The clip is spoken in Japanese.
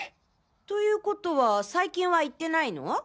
ということは最近は行ってないの？